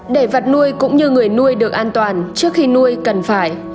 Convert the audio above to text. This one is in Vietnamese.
để vật nuôi cũng như người nuôi được an toàn trước khi nuôi cần phải